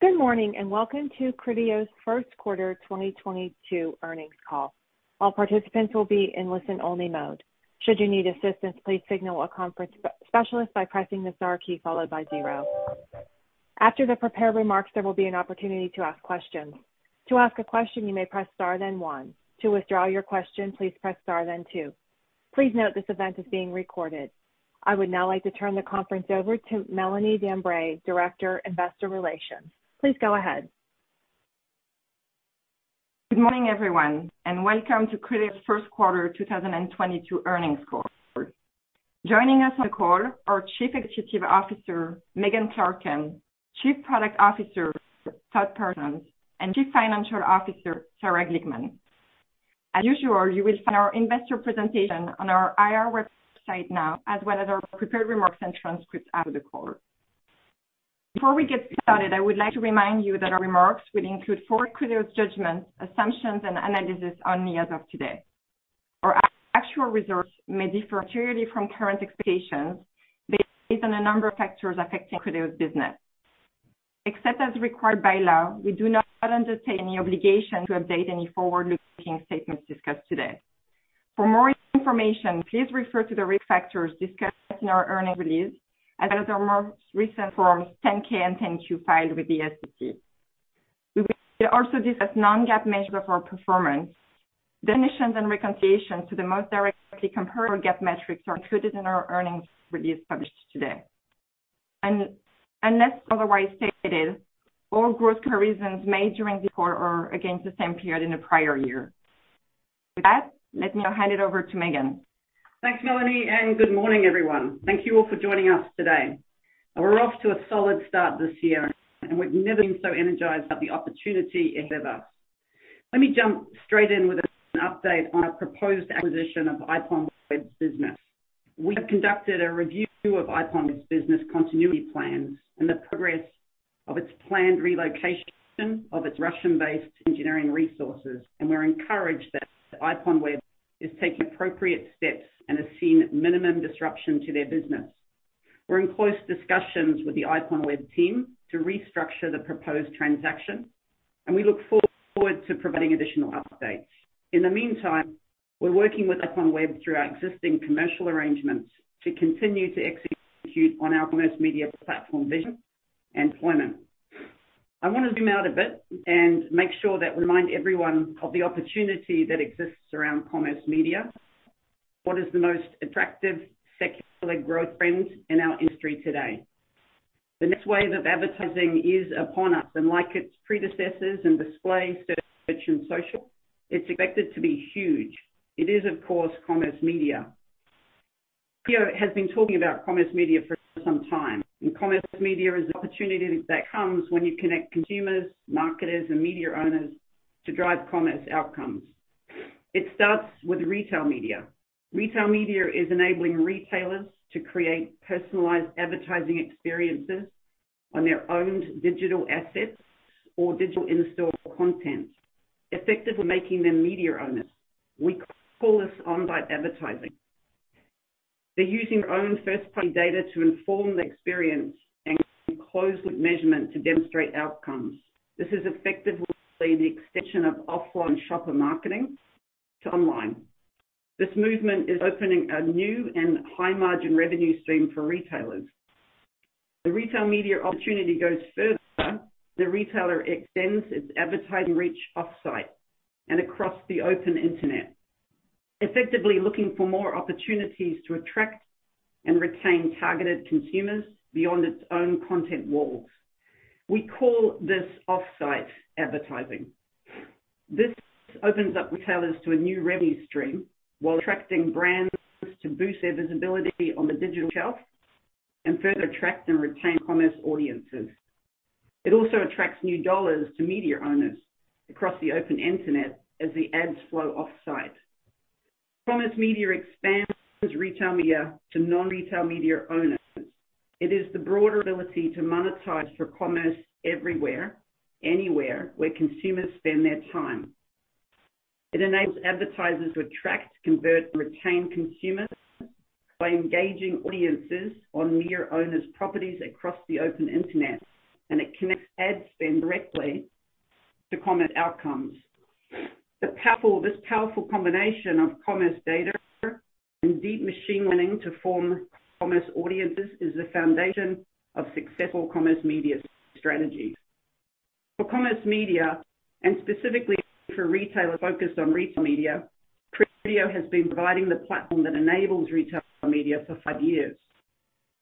Good morning, and welcome to Criteo's first quarter 2022 earnings call. All participants will be in listen only mode. Should you need assistance, please signal a conference specialist by pressing the star key followed by zero. After the prepared remarks, there will be an opportunity to ask questions. To ask a question, you may press star then one. To withdraw your question, please press star then two. Please note this event is being recorded. I would now like to turn the conference over to Melanie Dambre, Director, Investor Relations. Please go ahead. Good morning, everyone, and welcome to Criteo's first quarter 2022 earnings call. Joining us on the call, our Chief Executive Officer, Megan Clarken, Chief Product Officer, Todd Parsons, and Chief Financial Officer, Sarah Glickman. As usual, you will find our investor presentation on our IR website now, as well as our prepared remarks and transcripts after the call. Before we get started, I would like to remind you that our remarks will include forward-looking judgments, assumptions and estimates as of today. Our actual results may differ materially from current expectations based on a number of factors affecting Criteo's business. Except as required by law, we do not undertake any obligation to update any forward-looking statements discussed today. For more information, please refer to the risk factors discussed in our earnings release, as well as our most recent Forms 10-K and 10-Q filed with the SEC. We will also discuss non-GAAP measures for performance. Definitions and reconciliation to the most directly comparable GAAP metrics are included in our earnings release published today. Unless otherwise stated, all growth comparisons made during the quarter are against the same period in the prior year. With that, let me now hand it over to Megan. Thanks, Melanie, and good morning, everyone. Thank you all for joining us today. We're off to a solid start this year, and we've never been so energized about the opportunity as ever. Let me jump straight in with an update on our proposed acquisition of IPONWEB business. We have conducted a review of IPONWEB business continuity plans and the progress of its planned relocation of its Russian-based engineering resources, and we're encouraged that IPONWEB is taking appropriate steps and has seen minimum disruption to their business. We're in close discussions with the IPONWEB team to restructure the proposed transaction, and we look forward to providing additional updates. In the meantime, we're working with IPONWEB through our existing commercial arrangements to continue to execute on our commerce media platform vision and deployment. I want to zoom out a bit and make sure that remind everyone of the opportunity that exists around commerce media. What is the most attractive secular growth trend in our industry today? The next wave of advertising is upon us, and like its predecessors in display, search, and social, it's expected to be huge. It is, of course, commerce media. Criteo has been talking about commerce media for some time, and commerce media is an opportunity that comes when you connect consumers, marketers and media owners to drive commerce outcomes. It starts with retail media. Retail media is enabling retailers to create personalized advertising experiences on their own digital assets or digital in-store content, effectively making them media owners. We call this on-site advertising. They're using their own first-party data to inform the experience and closed-loop measurement to demonstrate outcomes. This is effectively the extension of offline shopper marketing to online. This movement is opening a new and high-margin revenue stream for retailers. The retail media opportunity goes further. The retailer extends its advertising reach off-site and across the open Internet, effectively looking for more opportunities to attract and retain targeted consumers beyond its own content walls. We call this off-site advertising. This opens up retailers to a new revenue stream while attracting brands to boost their visibility on the digital shelf and further attract and retain commerce audiences. It also attracts new dollars to media owners across the open Internet as the ads flow off-site. Commerce media expands retail media to non-retail media owners. It is the broader ability to monetize for commerce everywhere, anywhere where consumers spend their time. It enables advertisers to attract, convert, and retain consumers by engaging audiences on media owners' properties across the open Internet, and it connects ad spend directly to commerce outcomes. This powerful combination of commerce data and deep machine learning to form commerce audiences is the foundation of successful commerce media strategies. For commerce media and specifically for retailers focused on retail media, Criteo has been providing the platform that enables retail media for five years.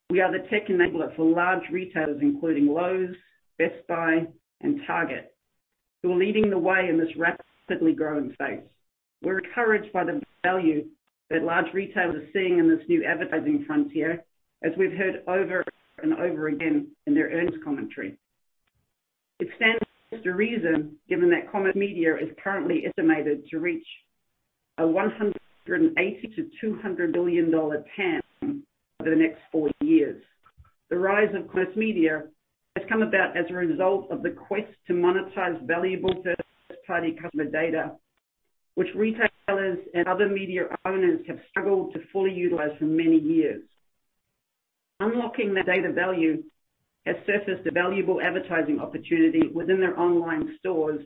We are the tech enabler for large retailers, including Lowe's, Best Buy, and Target, who are leading the way in this rapidly growing space. We're encouraged by the value that large retailers are seeing in this new advertising frontier, as we've heard over and over again in their earnings commentary. It stands to reason, given that commerce media is currently estimated to reach a $180 billion-$200 billion TAM over the next four years. The rise of commerce media has come about as a result of the quest to monetize valuable first-party customer data, which retailers and other media owners have struggled to fully utilize for many years. Unlocking that data value has surfaced a valuable advertising opportunity within their online stores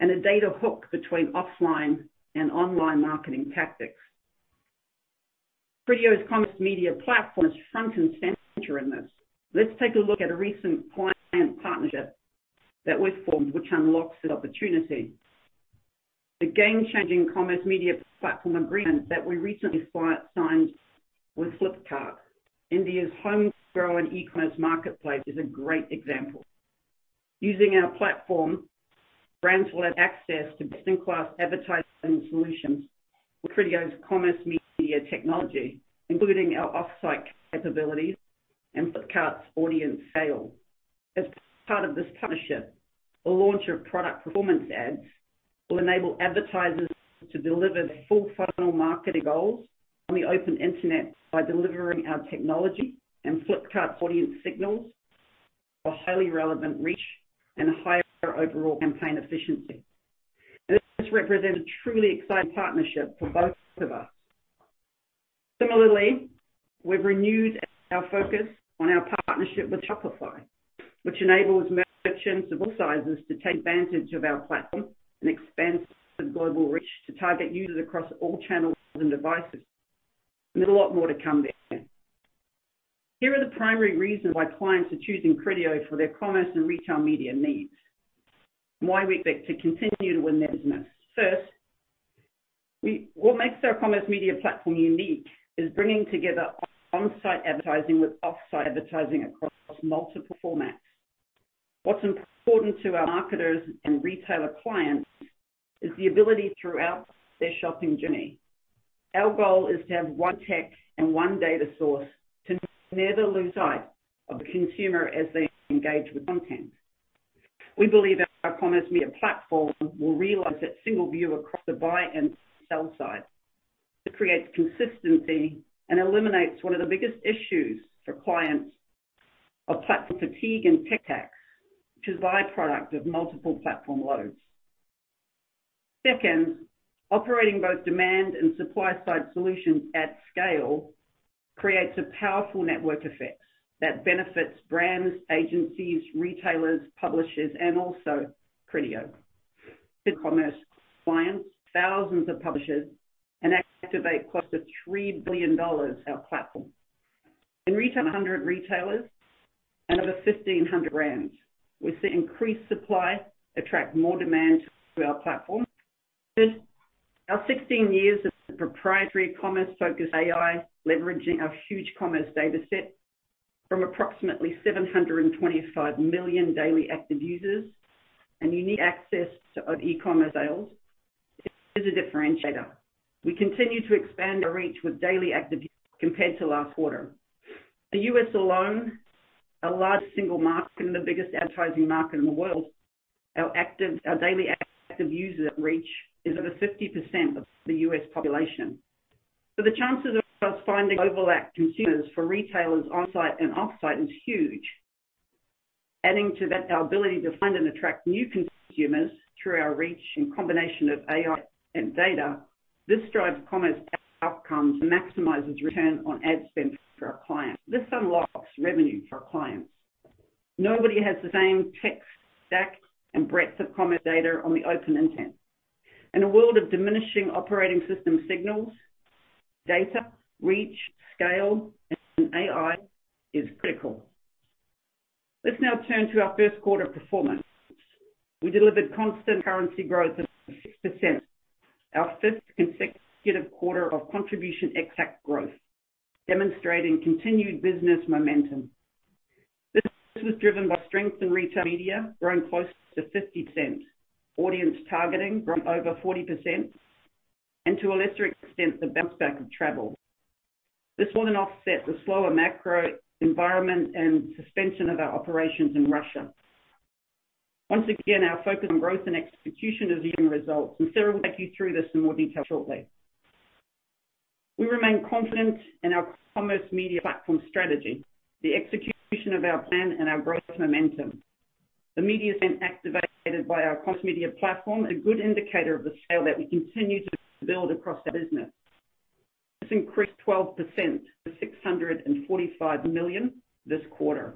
and a data hook between offline and online marketing tactics. Criteo's Commerce Media Platform is front and center in this. Let's take a look at a recent client partnership that we formed, which unlocks this opportunity. The game-changing Commerce Media Platform agreement that we recently signed with Flipkart, India's home-grown e-commerce marketplace, is a great example. Using our platform, brands will have access to best-in-class advertising solutions with Criteo's Commerce Media technology, including our off-site capabilities and Flipkart's audience scale. As part of this partnership, the launch of Product Performance Ads will enable advertisers to deliver their full funnel marketing goals on the open internet by delivering our technology and Flipkart's audience signals for highly relevant reach and higher overall campaign efficiency. This represents a truly exciting partnership for both of us. Similarly, we've renewed our focus on our partnership with Shopify, which enables merchants of all sizes to take advantage of our platform and expand global reach to target users across all channels and devices. There's a lot more to come there. Here are the primary reasons why clients are choosing Criteo for their commerce and retail media needs, and why we expect to continue to win their business. First, what makes our Commerce Media Platform unique is bringing together on-site advertising with off-site advertising across multiple formats. What's important to our marketers and retailer clients is the ability throughout their shopping journey. Our goal is to have one tech and one data source to never lose sight of the consumer as they engage with content. We believe our Commerce Media Platform will realize that single view across the buy and sell side. It creates consistency and eliminates one of the biggest issues for clients of platform fatigue and tech tax, which is a by-product of multiple platform loads. Second, operating both demand and supply-side solutions at scale creates a powerful network effect that benefits brands, agencies, retailers, publishers, and also Criteo. Commerce clients, thousands of publishers, and activate close to $3 billion our platform. In retail, 100 retailers and over 1,500 brands. We see increased supply attract more demand to our platform. Our 16 years of proprietary commerce-focused AI, leveraging our huge commerce dataset from approximately 725 million daily active users, and unique access to e-commerce sales is a differentiator. We continue to expand our reach with daily active users compared to last quarter. The U.S. alone, our largest single market and the biggest advertising market in the world, our daily active users reach is over 50% of the U.S. population. The chances of us finding overlap consumers for retailers on-site and off-site is huge. Adding to that, our ability to find and attract new consumers through our reach and combination of AI and data, this drives commerce outcomes and maximizes return on ad spend for our clients. This unlocks revenue for our clients. Nobody has the same tech stack and breadth of commerce data on the open intent. In a world of diminishing operating system signals, data, reach, scale, and AI is critical. Let's now turn to our first quarter performance. We delivered constant currency growth of 6%, our fifth consecutive quarter of Contribution ex-TAC growth, demonstrating continued business momentum. This was driven by strength in Retail Media, growing close to 50%, Audience Targeting growing over 40%, and to a lesser extent, the bounce back of travel. This more than offsets the slower macro environment and suspension of our operations in Russia. Once again, our focus on growth and execution is yielding results, and Sarah will take you through this in more detail shortly. We remain confident in our Commerce Media Platform strategy, the execution of our plan, and our growth momentum. The media spend activated by our Commerce Media platform is a good indicator of the scale that we continue to build across our business. This increased 12% to 645 million this quarter.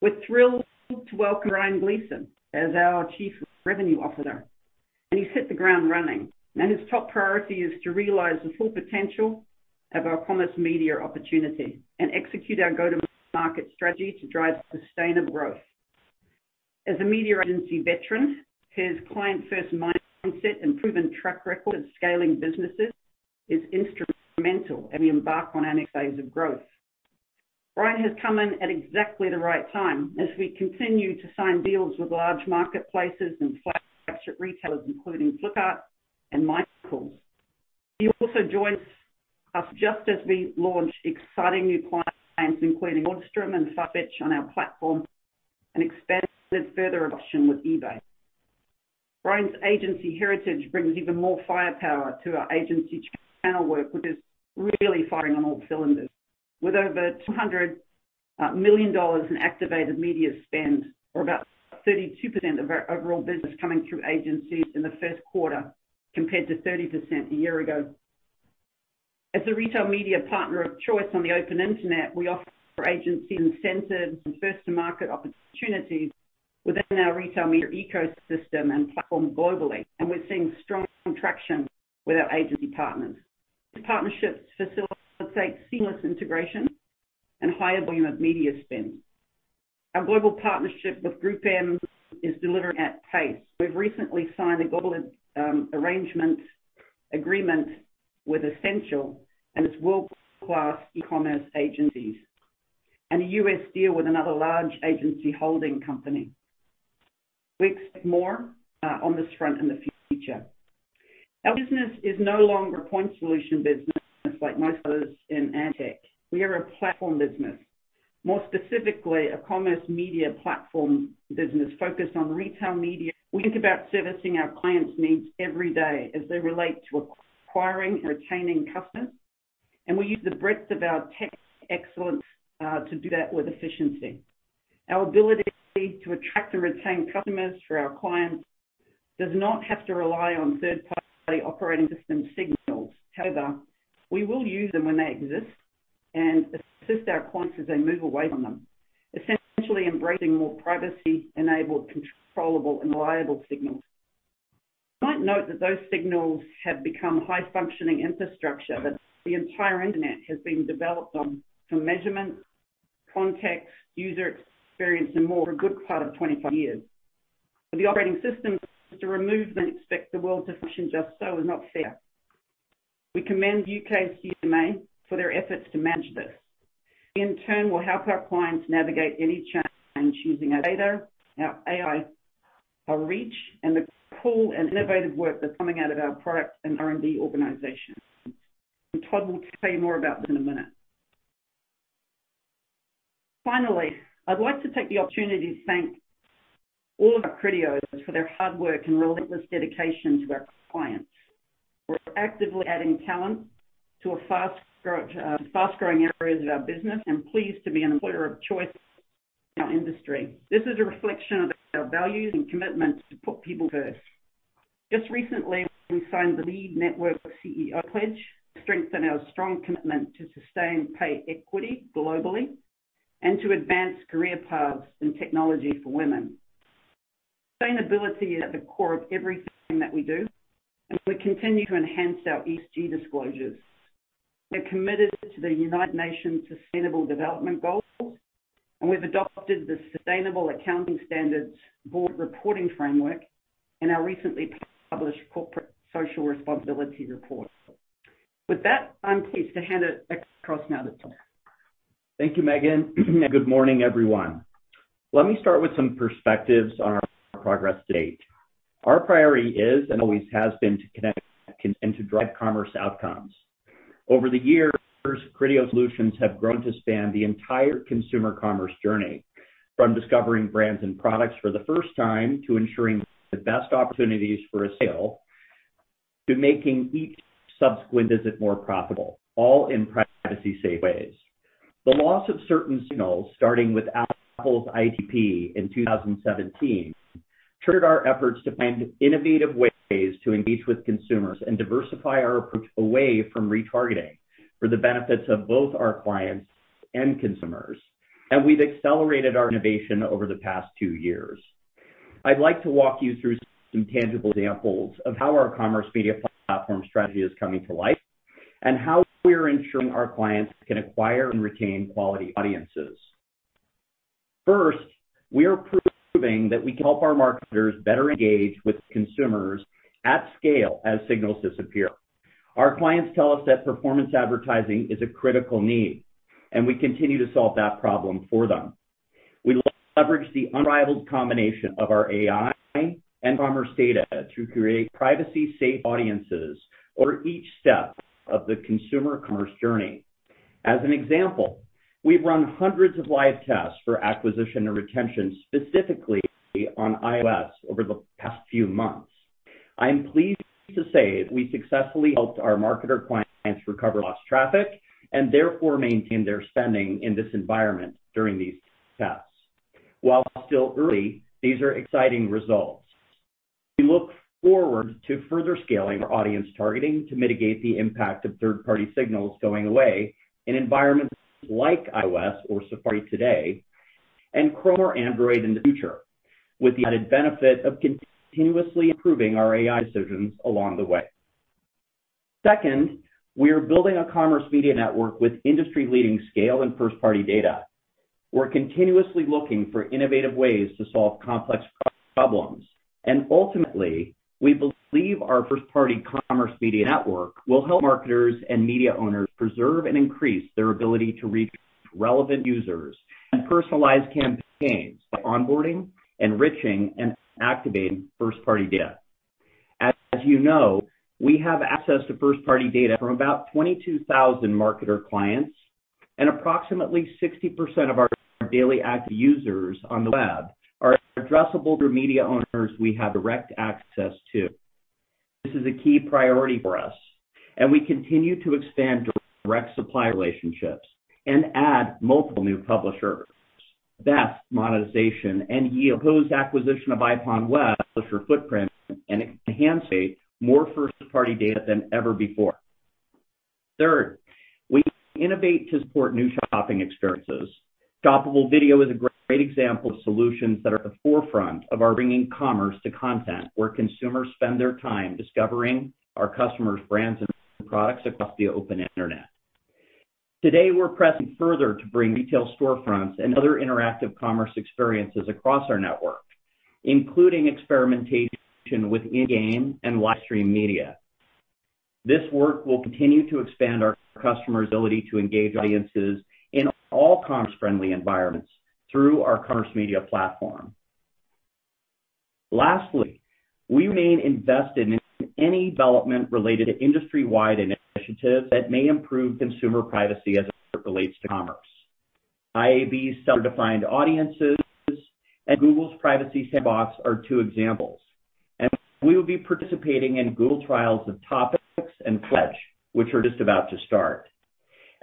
We're thrilled to welcome Brian Gleason as our Chief Revenue Officer, and he's hit the ground running. His top priority is to realize the full potential of our commerce media opportunity and execute our go-to-market strategy to drive sustainable growth. As a media agency veteran, his client-first mindset and proven track record of scaling businesses is instrumental as we embark on our next phase of growth. Brian Gleason has come in at exactly the right time as we continue to sign deals with large marketplaces and flagship retailers, including Flipkart and Myntra. He also joins us just as we launch exciting new clients, including Nordstrom and Farfetch on our platform, and expanded further adoption with eBay. Brian's agency heritage brings even more firepower to our agency channel work, which is really firing on all cylinders. With over $200 million in activated media spend, or about 32% of our overall business coming through agencies in the first quarter compared to 30% a year ago. As a retail media partner of choice on the open internet, we offer agencies incentives and first to market opportunities within our retail media ecosystem and platform globally, and we're seeing strong traction with our agency partners. Partnerships facilitate seamless integration and higher volume of media spend. Our global partnership with GroupM is delivering at pace. We've recently signed a global arrangement agreement with Essentia and its world-class e-commerce agencies, and a US deal with another large agency holding company. We expect more on this front in the future. Our business is no longer a point solution business like most of us in ad tech. We are a platform business, more specifically a commerce media platform business focused on retail media. We think about servicing our clients' needs every day as they relate to acquiring and retaining customers, and we use the breadth of our tech excellence to do that with efficiency. Our ability to attract and retain customers for our clients does not have to rely on third-party operating system signals. However, we will use them when they exist and assist our clients as they move away from them, essentially embracing more privacy-enabled, controllable and reliable signals. Might note that those signals have become high functioning infrastructure that the entire internet has been developed on for measurement, context, user experience and more for a good part of 25 years. The operating system to remove and expect the world to function just so is not fair. We commend U.K.'s CMA for their efforts to manage this. We in turn will help our clients navigate any change using our data, our AI, our reach, and the full and innovative work that's coming out of our product and R&D organization. Todd will tell you more about this in a minute. Finally, I'd like to take the opportunity to thank all of our Criteos for their hard work and relentless dedication to our clients. We're actively adding talent to a fast-growing areas of our business and pleased to be an employer of choice in our industry. This is a reflection of our values and commitments to put people first. Just recently, we signed the LEAD Network CEO pledge to strengthen our strong commitment to sustain pay equity globally and to advance career paths and technology for women. Sustainability is at the core of everything that we do, and we continue to enhance our ESG disclosures. We are committed to the United Nations Sustainable Development Goals, and we've adopted the Sustainability Accounting Standards Board reporting framework in our recently published corporate social responsibility report. With that, I'm pleased to hand it across now to Todd. Thank you, Megan. Good morning, everyone. Let me start with some perspectives on our progress to date. Our priority is, and always has been, to connect and to drive commerce outcomes. Over the years, Criteo's solutions have grown to span the entire consumer commerce journey, from discovering brands and products for the first time, to ensuring the best opportunities for a sale, to making each subsequent visit more profitable, all in privacy safe ways. The loss of certain signals, starting with Apple's ITP in 2017, triggered our efforts to find innovative ways to engage with consumers and diversify our approach away from retargeting for the benefits of both our clients and consumers. We've accelerated our innovation over the past two years. I'd like to walk you through some tangible examples of how our commerce media platform strategy is coming to life and how we are ensuring our clients can acquire and retain quality audiences. First, we are proving that we can help our marketers better engage with consumers at scale as signals disappear. Our clients tell us that performance advertising is a critical need, and we continue to solve that problem for them. We leverage the unrivaled combination of our AI and commerce data to create privacy safe audiences for each step of the consumer commerce journey. As an example, we've run hundreds of live tests for acquisition and retention specifically on iOS over the past few months. I am pleased to say that we successfully helped our marketer clients recover lost traffic and therefore maintain their spending in this environment during these tests. While still early, these are exciting results. We look forward to further scaling our audience targeting to mitigate the impact of third-party signals going away in environments like iOS or Safari today, and Chrome or Android in the future, with the added benefit of continuously improving our AI decisions along the way. Second, we are building a commerce media network with industry-leading scale and first-party data. We're continuously looking for innovative ways to solve complex problems, and ultimately, we believe our first-party commerce media network will help marketers and media owners preserve and increase their ability to reach relevant users and personalize campaigns by onboarding, enriching and activating first-party data. As you know, we have access to first-party data from about 22,000 marketer clients and approximately 60% of our daily active users on the web are addressable through media owners we have direct access to. This is a key priority for us, and we continue to expand direct supply relationships and add multiple new publishers. Best monetization and yield post-acquisition of IPONWEB publisher footprint and enhance more first-party data than ever before. Third, we innovate to support new shopping experiences. Shoppable Video is a great example of solutions that are at the forefront of our bringing commerce to content where consumers spend their time discovering our customers, brands, and products across the open Internet. Today, we're pressing further to bring retail storefronts and other interactive commerce experiences across our network, including experimentation within game and live stream media. This work will continue to expand our customers' ability to engage audiences in all commerce-friendly environments through our commerce media platform. Lastly, we remain invested in any development related to industry-wide initiatives that may improve consumer privacy as it relates to commerce. IAB Seller-Defined Audiences and Google's Privacy Sandbox are two examples. We will be participating in Google trials of Topics and FLEDGE, which are just about to start.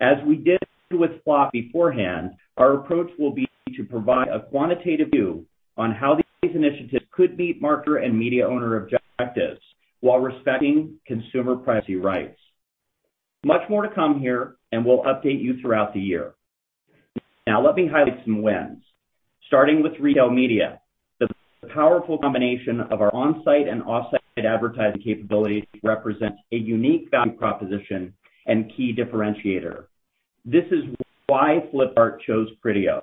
As we did with FLoC beforehand, our approach will be to provide a quantitative view on how these initiatives could meet marketer and media owner objectives while respecting consumer privacy rights. Much more to come here, and we'll update you throughout the year. Now let me highlight some wins. Starting with retail media. The powerful combination of our on-site and off-site advertising capabilities represents a unique value proposition and key differentiator. This is why Flipkart chose Criteo.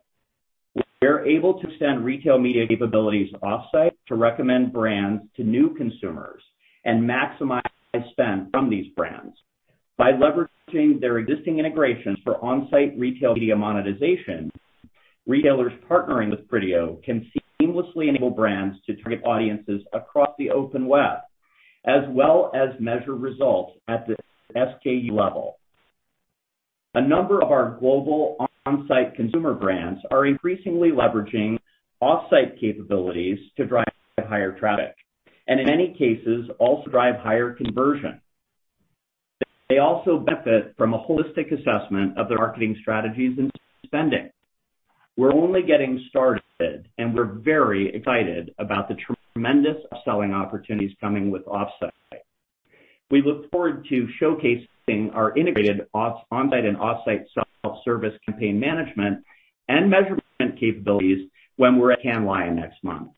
They're able to extend Retail Media capabilities off-site to recommend brands to new consumers and maximize spend from these brands. By leveraging their existing integrations for on-site Retail Media monetization, retailers partnering with Criteo can seamlessly enable brands to target audiences across the open web, as well as measure results at the SKU level. A number of our global on-site consumer brands are increasingly leveraging off-site capabilities to drive higher traffic, and in many cases, also drive higher conversion. They also benefit from a holistic assessment of their marketing strategies and spending. We're only getting started, and we're very excited about the tremendous upselling opportunities coming with off-site. We look forward to showcasing our integrated on-site and off-site self-service campaign management and measurement capabilities when we're at Cannes Lions next month.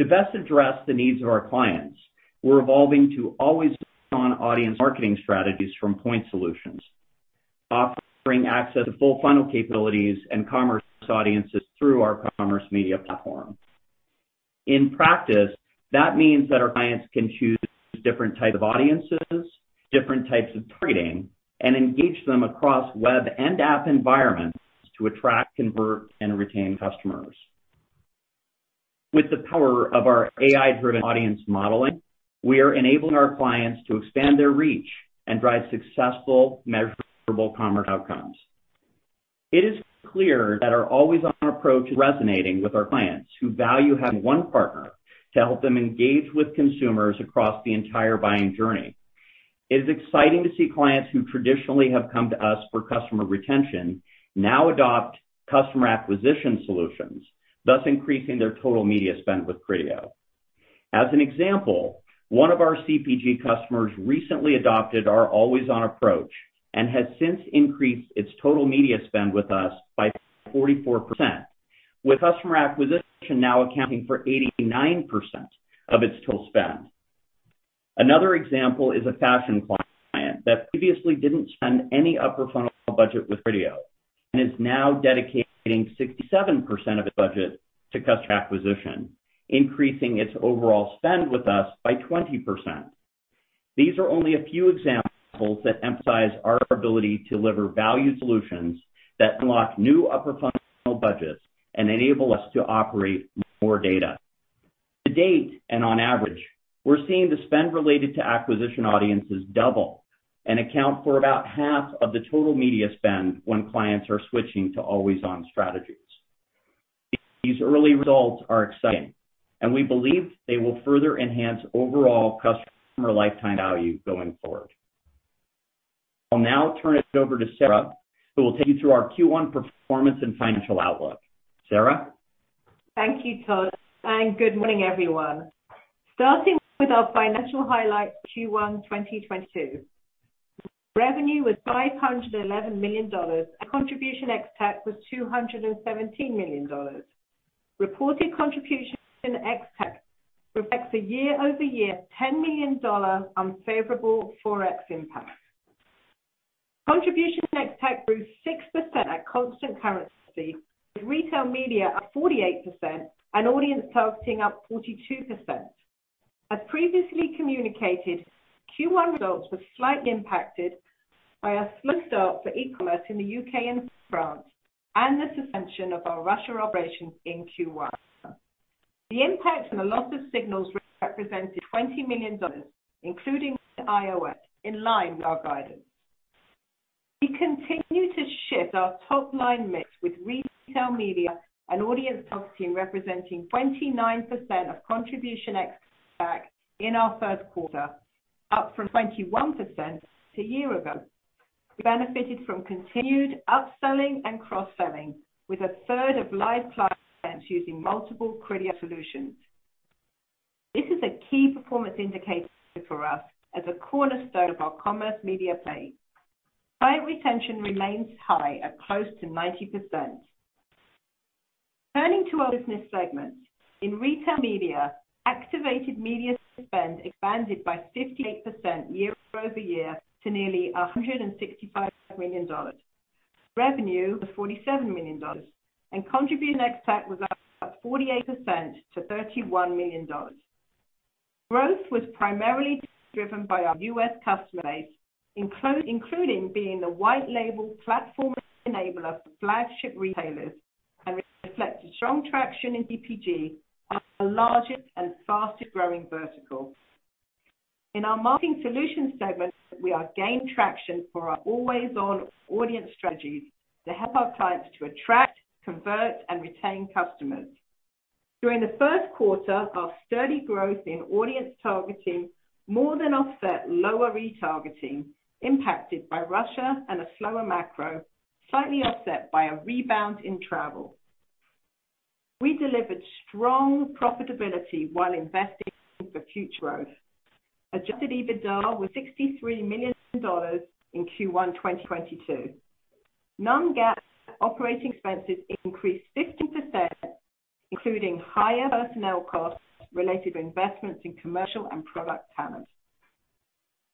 To best address the needs of our clients, we're evolving to always-on audience marketing strategies from point solutions, offering access to full funnel capabilities and commerce audiences through our Commerce Media Platform. In practice, that means that our clients can choose different types of audiences, different types of targeting, and engage them across web and app environments to attract, convert, and retain customers. With the power of our AI-driven audience modeling, we are enabling our clients to expand their reach and drive successful, measurable commerce outcomes. It is clear that our always-on approach is resonating with our clients who value having one partner to help them engage with consumers across the entire buying journey. It is exciting to see clients who traditionally have come to us for customer retention now adopt customer acquisition solutions, thus increasing their total media spend with Criteo. As an example, one of our CPG customers recently adopted our always-on approach and has since increased its total media spend with us by 44%, with customer acquisition now accounting for 89% of its total spend. Another example is a fashion client that previously didn't spend any upper funnel budget with Criteo and is now dedicating 67% of its budget to customer acquisition, increasing its overall spend with us by 20%. These are only a few examples that emphasize our ability to deliver value solutions that unlock new upper funnel budgets and enable us to operate more data. To date, and on average, we're seeing the spend related to acquisition audiences double and account for about half of the total media spend when clients are switching to always-on strategies. These early results are exciting, and we believe they will further enhance overall customer lifetime value going forward. I'll now turn it over to Sarah, who will take you through our Q1 performance and financial outlook. Sarah? Thank you, Todd, and good morning, everyone. Starting with our financial highlights, Q1 2022. Revenue was $511 million. Contribution ex-TAC was $217 million. Reported contribution ex-TAC reflects a year-over-year $10 million unfavorable Forex impact. Contribution ex-TAC grew 6% at constant currency, with Retail Media up 48% and Audience Targeting up 42%. As previously communicated, Q1 results were slightly impacted by a slow start for e-commerce in the U.K. and France and the suspension of our Russia operation in Q1. The impact from the loss of signals represented $20 million, including iOS, in line with our guidance. We continue to shift our top line mix with Retail Media and Audience Targeting representing 29% of contribution ex-TAC in our first quarter, up from 21% a year ago. We benefited from continued upselling and cross-selling with a third of live clients using multiple Criteo solutions. This is a key performance indicator for us as a cornerstone of our commerce media play. Client retention remains high at close to 90%. Turning to our business segments. In Retail Media, activated media spend expanded by 58% year-over-year to nearly $165 million. Revenue of $47 million and contribution ex-TAC was up 48% to $31 million. Growth was primarily driven by our U.S. customer base, including being the white label platform enabler for flagship retailers and reflected strong traction in CPG, our largest and fastest-growing vertical. In our Marketing Solutions segment, we are gaining traction for our always-on audience strategies to help our clients to attract, convert, and retain customers. During the first quarter, our steady growth in audience targeting more than offset lower retargeting, impacted by Russia and a slower macro, slightly offset by a rebound in travel. We delivered strong profitability while investing for future growth. Adjusted EBITDA was $63 million in Q1 2022. Non-GAAP operating expenses increased 15%, including higher personnel costs related to investments in commercial and product talent.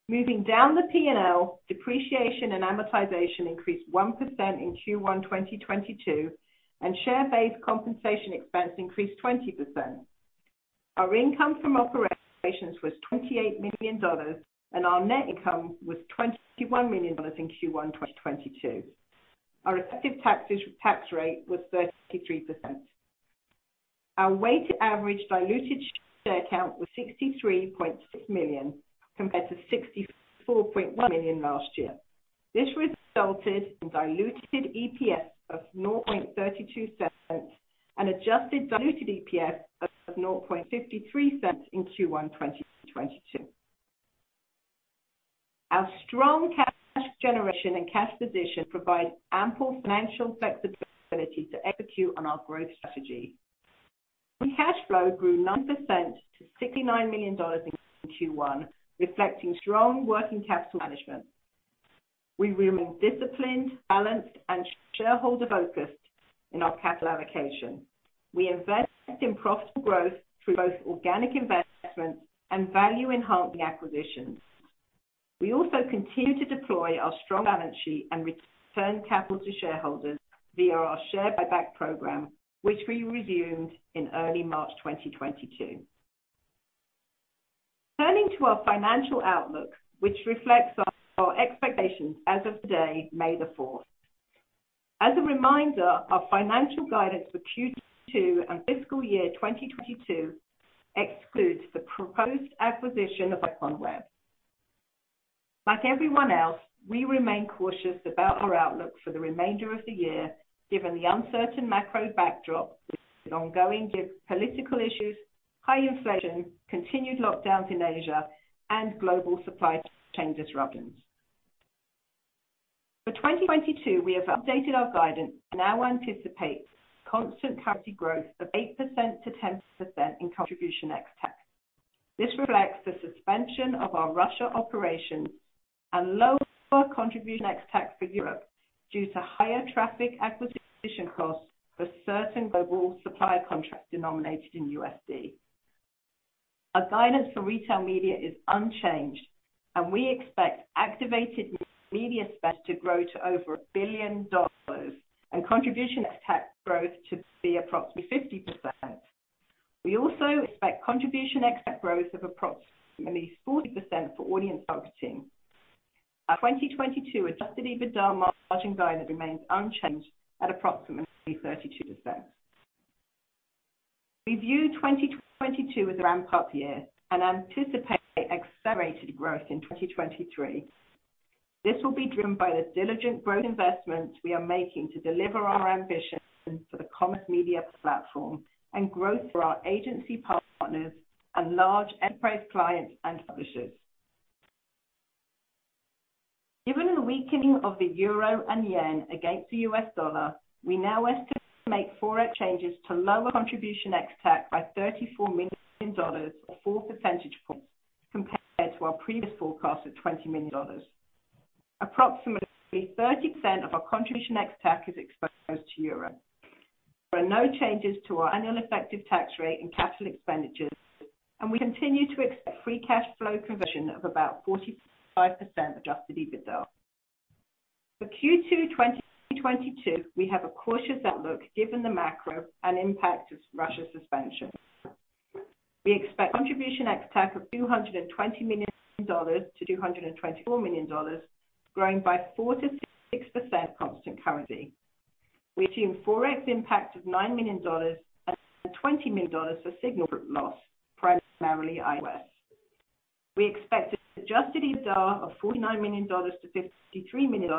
Moving down the P&L, depreciation and amortization increased 1% in Q1 2022, and share-based compensation expense increased 20%. Our income from operations was $28 million, and our net income was $21 million in Q1 2022. Our effective tax rate was 33%. Our weighted average diluted share count was 63.6 million, compared to 64.1 million last year. This resulted in diluted EPS of $0.32 and adjusted diluted EPS of $0.53 in Q1 2022. Our strong cash generation and cash position provide ample financial flexibility to execute on our growth strategy. Free cash flow grew 9% to $69 million in Q1, reflecting strong working capital management. We remain disciplined, balanced, and shareholder-focused in our capital allocation. We invest in profitable growth through both organic investments and value-enhancing acquisitions. We also continue to deploy our strong balance sheet and return capital to shareholders via our share buyback program, which we resumed in early March 2022. Turning to our financial outlook, which reflects our expectations as of today, May the fourth. As a reminder, our financial guidance for Q2 and fiscal year 2022 excludes the proposed acquisition of IPONWEB. Like everyone else, we remain cautious about our outlook for the remainder of the year, given the uncertain macro backdrop with ongoing geopolitical issues, high inflation, continued lockdowns in Asia, and global supply chain disruptions. For 2022, we have updated our guidance and now anticipate constant currency growth of 8%-10% in contribution ex-TAC. This reflects the suspension of our Russia operations and lower contribution ex-TAC for Europe due to higher traffic acquisition costs for certain global supplier contracts denominated in USD. Our guidance for Retail Media is unchanged, and we expect activated media spend to grow to over $1 billion and contribution ex-TAC growth to be approximately 50%. We also expect contribution ex-TAC growth of approximately 40% for Audience Targeting. Our 2022 Adjusted EBITDA margin guidance remains unchanged at approximately 32%. We view 2022 as a ramp-up year and anticipate accelerated growth in 2023. This will be driven by the diligent growth investments we are making to deliver on our ambition for the Commerce Media Platform and growth for our agency partners and large enterprise clients and publishers. Given the weakening of the euro and yen against the U.S. dollar, we now estimate forex changes to lower contribution ex-TAC by $34 million or 4 percentage points compared to our previous forecast of $20 million. Approximately 30% of our contribution ex-TAC is exposed to euro. There are no changes to our annual effective tax rate and capital expenditures, and we continue to expect free cash flow conversion of about 45% Adjusted EBITDA. For Q2 2022, we have a cautious outlook given the macro and impact of Russia suspension. We expect Contribution ex-TAC of $220 million-$224 million, growing by 4%-6% constant currency. We assume forex impact of $9 million and $20 million for signal loss, primarily iOS. We expect adjusted EBITDA of $49 million-$53 million,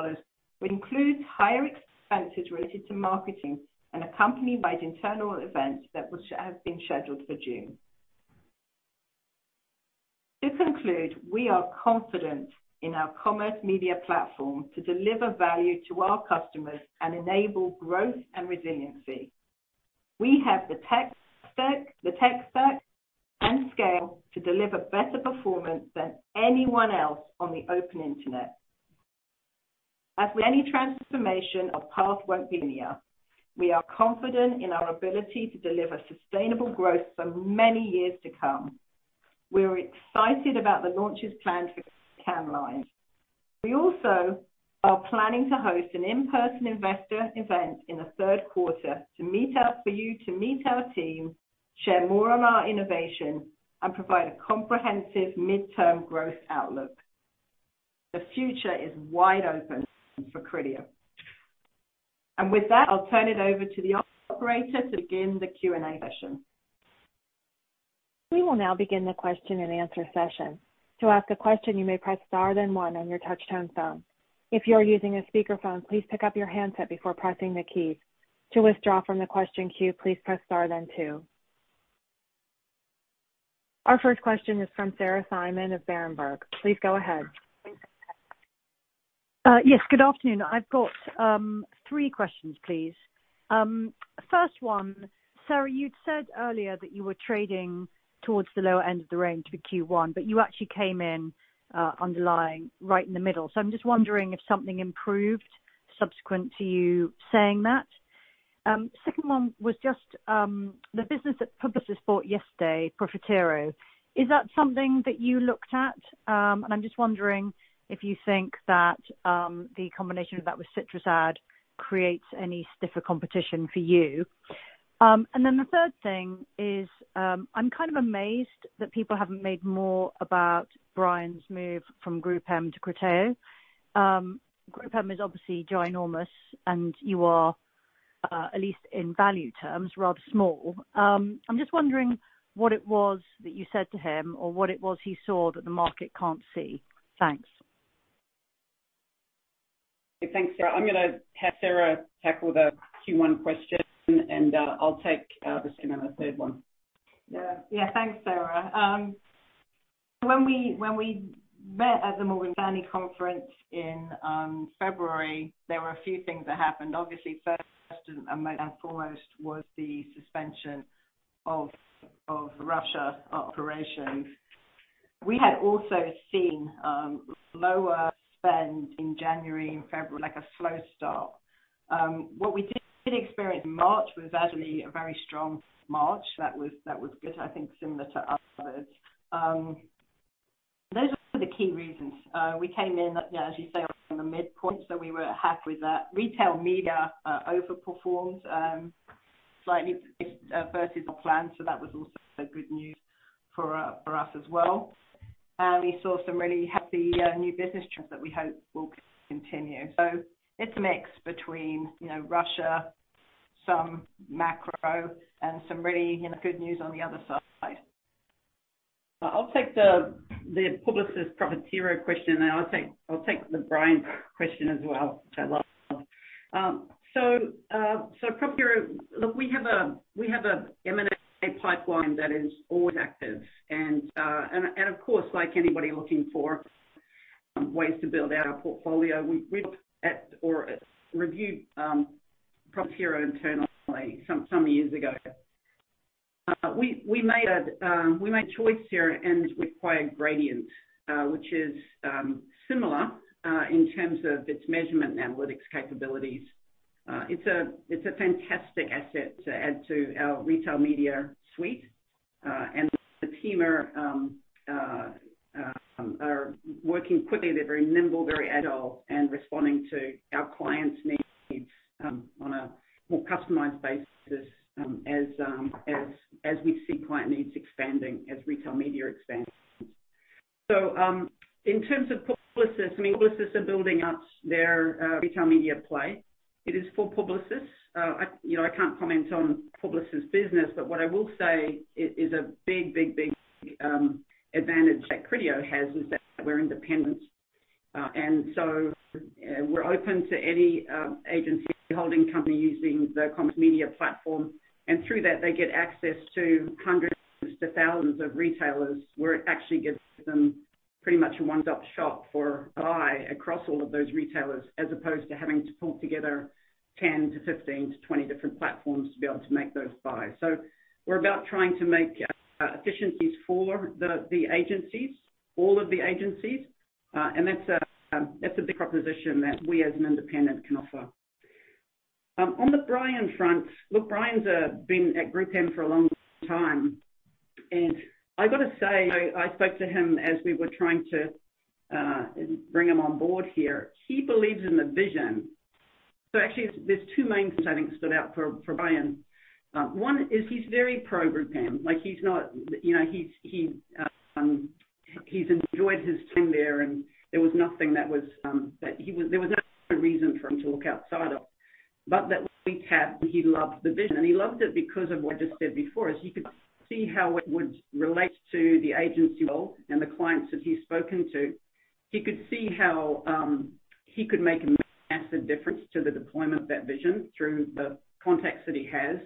which includes higher expenses related to marketing and accompanied by the internal events that will have been scheduled for June. To conclude, we are confident in our Commerce Media Platform to deliver value to our customers and enable growth and resiliency. We have the tech stack and scale to deliver better performance than anyone else on the open internet. As with any transformation, our path won't be linear. We are confident in our ability to deliver sustainable growth for many years to come. We're excited about the launches planned for timeline. We also are planning to host an in-person investor event in the third quarter for you to meet our team, share more on our innovation, and provide a comprehensive midterm growth outlook. The future is wide open for Criteo. With that, I'll turn it over to the operator to begin the Q&A session. We will now begin the question-and-answer session. To ask a question, you may press star then one on your touchtone phone. If you are using a speakerphone, please pick up your handset before pressing the keys. To withdraw from the question queue, please press star then two. Our first question is from Sarah Simon of Berenberg. Please go ahead. Yes, good afternoon. I've got three questions, please. First one, Sarah, you'd said earlier that you were trading towards the lower end of the range for Q1, but you actually came in underlying right in the middle. I'm just wondering if something improved subsequent to you saying that. Second one was just the business that Publicis bought yesterday, Profitero. Is that something that you looked at? I'm just wondering if you think that the combination of that with CitrusAd creates any stiffer competition for you. Then the third thing is, I'm kind of amazed that people haven't made more about Brian's move from GroupM to Criteo. GroupM is obviously ginormous, and you are, at least in value terms, rather small. I'm just wondering what it was that you said to him or what it was he saw that the market can't see. Thanks. Thanks, Sarah. I'm gonna have Sarah tackle the Q1 question, and I'll take the second and the third one. Thanks, Sarah. When we met at the Morgan Stanley conference in February, there were a few things that happened. Obviously, first and foremost was the suspension of Russia operations. We had also seen lower spend in January and February, like a slow start. We did experience March was actually a very strong March. That was good, I think, similar to others. Those were the key reasons. We came in, as you say, on the midpoint, so we were happy with that. Retail Media overperformed slightly versus our plans, so that was also good news for us as well. We saw some really happy new business trends that we hope will continue. It's a mix between, you know, Russia, some macro and some really, you know, good news on the other side. I'll take the Publicis Profitero question, and I'll take the Brian question as well, which I love. Profitero, look, we have a M&A pipeline that is always active. Of course, like anybody looking for ways to build out our portfolio, we looked at or reviewed Profitero internally some years ago. We made a choice here, and we acquired Gradient, which is similar in terms of its measurement and analytics capabilities. It's a fantastic asset to add to our Retail Media suite. The team are working quickly. They're very nimble, very agile, and responding to our clients' needs on a more customized basis, as we see client needs expanding, as Retail Media expands. In terms of Publicis, I mean, Publicis are building out their Retail Media play. It is for Publicis. You know, I can't comment on Publicis' business, but what I will say is a big advantage that Criteo has is that we're independent. We're open to any agency holding company using the Commerce Media Platform, and through that, they get access to hundreds to thousands of retailers where it actually gives them pretty much a one-stop shop for buy across all of those retailers, as opposed to having to pull together 10 to 15 to 20 different platforms to be able to make those buys. We're about trying to make efficiencies for the agencies, all of the agencies. That's a big proposition that we as an independent can offer. On the Brian front, look, Brian's been at GroupM for a long time. I got to say, I spoke to him as we were trying to bring him on board here. He believes in the vision. Actually, there's two main things that I think stood out for Brian. One is he's very pro GroupM. Like, he's not, you know, he's enjoyed his time there and there was nothing. There was no reason for him to look outside of. That we have, he loved the vision. He loved it because of what I just said before, is he could see how it would relate to the agency role and the clients that he's spoken to. He could see how he could make a massive difference to the deployment of that vision through the contacts that he has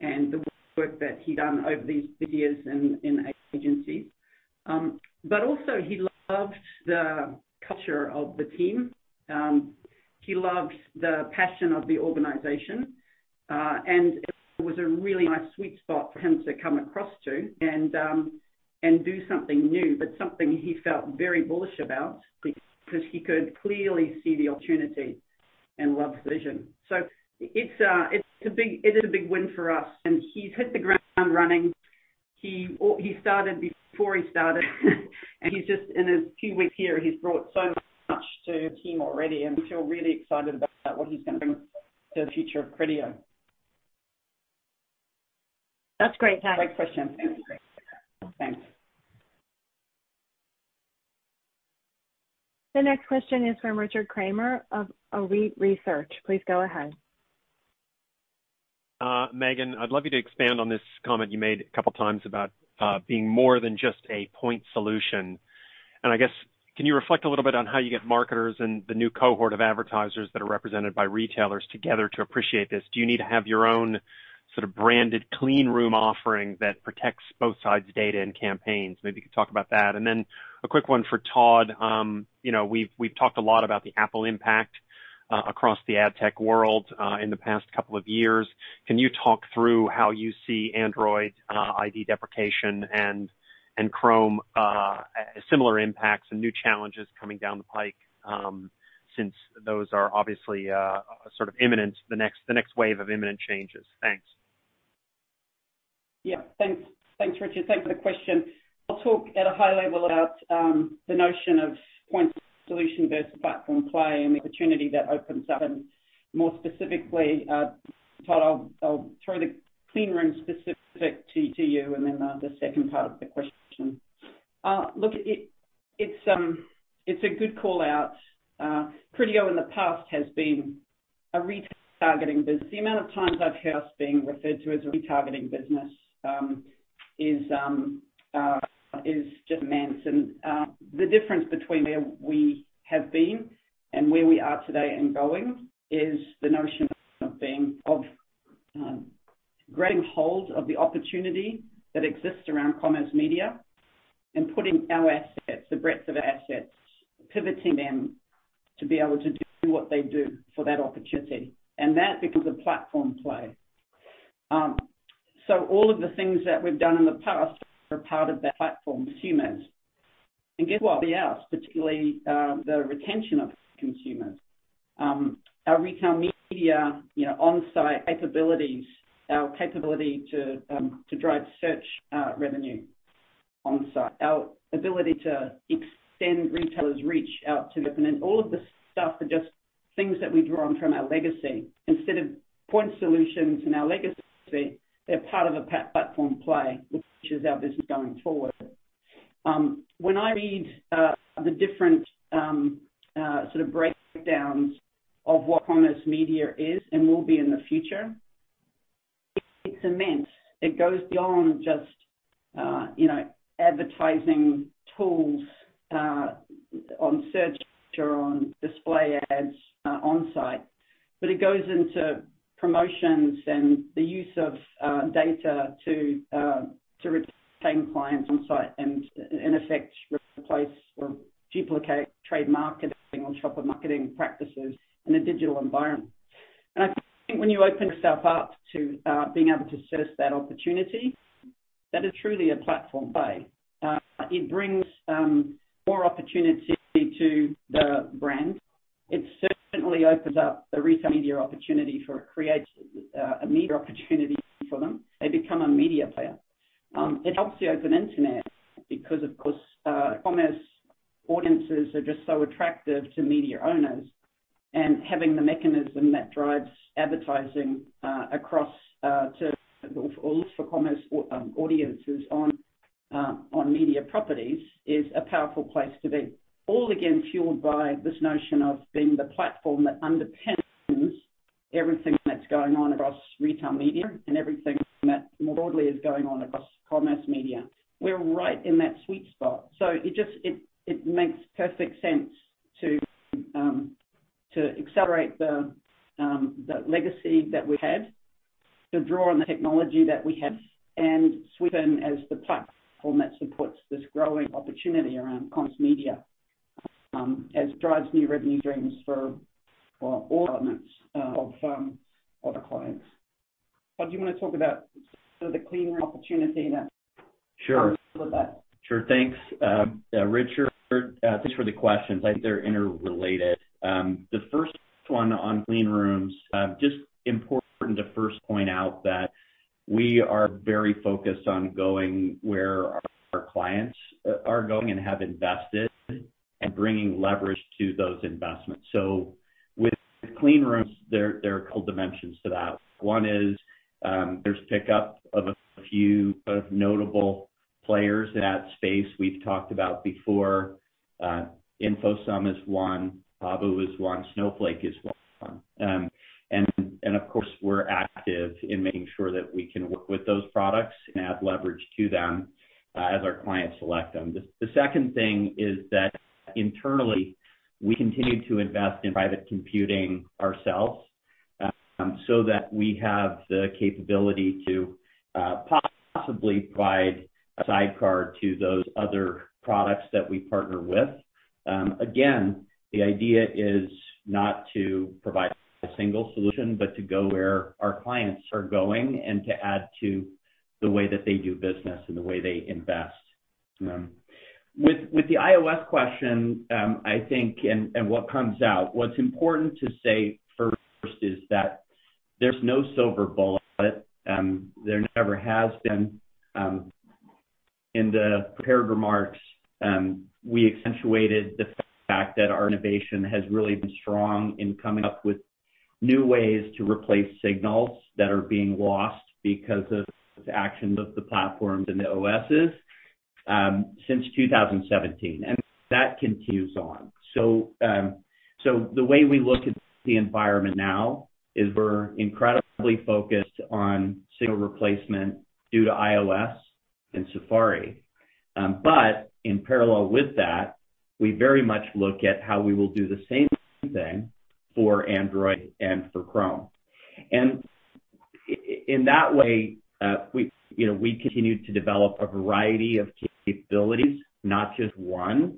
and the work that he'd done over these 50 years in agencies. Also he loved the culture of the team. He loved the passion of the organization, and it was a really nice sweet spot for him to come across to and do something new, but something he felt very bullish about because he could clearly see the opportunity and loved the vision. It's a big win for us, and he's hit the ground running. He started before he started and he's just in a few weeks here, he's brought so much to the team already, and we feel really excited about what he's going to bring to the future of Criteo. That's great. Great question. Thanks. The next question is from Richard Kramer of Arete Research. Please go ahead. Megan, I'd love you to expand on this comment you made a couple times about being more than just a point solution. I guess, can you reflect a little bit on how you get marketers and the new cohort of advertisers that are represented by retailers together to appreciate this? Do you need to have your own sort of branded clean room offering that protects both sides' data and campaigns? Maybe you could talk about that. Then a quick one for Todd. You know, we've talked a lot about the Apple impact across the ad tech world in the past couple of years. Can you talk through how you see Android ID deprecation and Chrome similar impacts and new challenges coming down the pike, since those are obviously sort of imminent, the next wave of imminent changes? Thanks. Yeah. Thanks. Thanks, Richard. Thanks for the question. I'll talk at a high level about the notion of point solution versus platform play and the opportunity that opens up. More specifically, Todd, I'll throw the clean room specific to you and then the second part of the question. Look, it's a good call-out. Criteo in the past has been a retargeting business. The amount of times I've heard us being referred to as a retargeting business is just immense. The difference between where we have been and where we are today and going is the notion of grabbing hold of the opportunity that exists around commerce media, and putting our assets, the breadth of our assets, pivoting them to be able to do what they do for that opportunity. That becomes a platform play. All of the things that we've done in the past are part of the platform consumers. Guess what? The rest, particularly, the retention of consumers, our Retail Media, you know, on-site capabilities, our capability to drive search revenue on-site, our ability to extend retailers' reach out to the internet. All of this stuff are just things that we draw on from our legacy. Instead of point solutions in our legacy, they're part of a platform play, which is our business going forward. When I read the different sort of breakdowns of what commerce media is and will be in the future, it's immense. It goes beyond just, you know, advertising tools on search or on display ads on-site. It goes into promotions and the use of data to retain clients on-site and in effect, replace or duplicate trade marketing on shopper marketing practices in a digital environment. I think when you open yourself up to being able to service that opportunity, that is truly a platform play. It brings more opportunity to the brand. It certainly opens up the Retail Media opportunity for it creates a media opportunity for them. They become a media player. It helps the open internet because of course, commerce audiences are just so attractive to media owners. Having the mechanism that drives advertising across to or look for commerce audiences on media properties is a powerful place to be. All, again, fueled by this notion of being the platform that underpins everything that's going on across retail media and everything that more broadly is going on across commerce media. We're right in that sweet spot. It just makes perfect sense to accelerate the legacy that we had, to draw on the technology that we have, and sweep in as the platform that supports this growing opportunity around commerce media, as it drives new revenue streams for all elements of our clients. Todd, do you want to talk about sort of the clean room opportunity that- Sure. With that? Sure. Thanks, Richard. Thanks for the questions. I think they're interrelated. The first one on clean rooms, just important to first point out that we are very focused on going where our clients are going and have invested and bringing leverage to those investments. With clean rooms, there are a couple dimensions to that. One is, there's pickup of a few sort of notable players in that space we've talked about before, InfoSum is one, Habu is one, Snowflake is one. And of course, we're active in making sure that we can work with those products and add leverage to them, as our clients select them. The second thing is that internally, we continue to invest in privacy computing ourselves, so that we have the capability to possibly provide a sidecar to those other products that we partner with. Again, the idea is not to provide a single solution, but to go where our clients are going and to add to the way that they do business and the way they invest. With the iOS question, I think and what comes out, what's important to say first is that there's no silver bullet. There never has been. In the prepared remarks, we accentuated the fact that our innovation has really been strong in coming up with new ways to replace signals that are being lost because of actions of the platforms and the OSs, since 2017, and that continues on. The way we look at the environment now is we're incredibly focused on signal replacement due to iOS and Safari. In parallel with that, we very much look at how we will do the same thing for Android and for Chrome. In that way, you know, we continue to develop a variety of capabilities, not just one.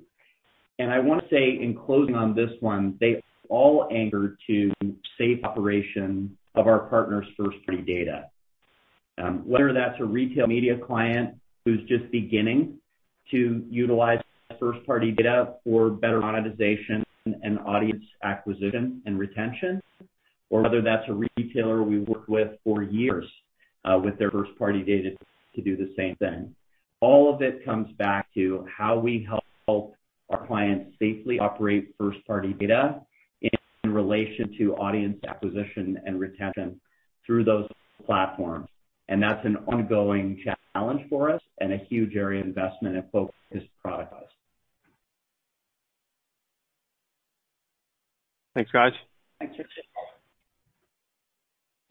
I wanna say in closing on this one, they all anchor to safe operation of our partners' first-party data. Whether that's a Retail Media client who's just beginning to utilize first-party data for better monetization and audience acquisition and retention, or whether that's a retailer we've worked with for years, with their first-party data to do the same thing. All of it comes back to how we help our clients safely operate first-party data in relation to audience acquisition and retention through those platforms. That's an ongoing challenge for us and a huge area of investment and focus for us to productize. Thanks, guys. Thanks.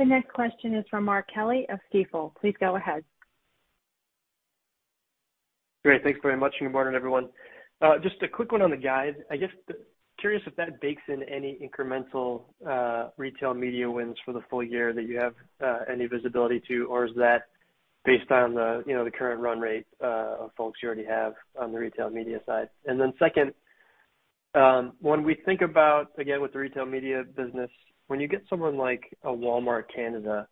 The next question is from Mark Kelley of Stifel. Please go ahead. Great. Thanks very much. Good morning, everyone. Just a quick one on the guide. I guess, curious if that bakes in any incremental Retail Media wins for the full year that you have any visibility to, or is that based on the, you know, the current run rate of folks you already have on the Retail Media side? Second, when we think about, again, with the Retail Media business, when you get someone like a Walmart Canada,